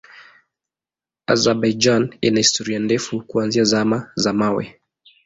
Azerbaijan ina historia ndefu kuanzia Zama za Mawe.